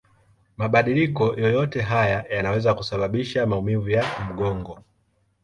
Mabadiliko yoyote haya yanaweza kusababisha maumivu ya mgongo.